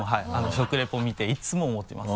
食リポ見ていつも思ってます。